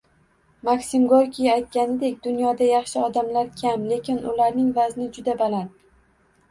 Maksim Gorkiy aytganidek, dunyoda yaxshi odamlar kam, lekin ularning vazni juda baland